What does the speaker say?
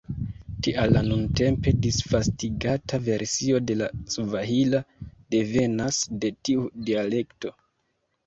Tial la nuntempe disvastigata versio de la svahila devenas de tiu dialekto.